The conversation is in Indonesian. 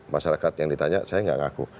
masyarakat yang ditanya saya tidak mengaku